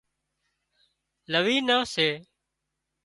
لوِي نان سي